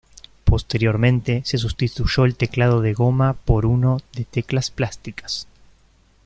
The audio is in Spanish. Posteriormente se sustituyó el teclado de goma por uno de teclas plásticas.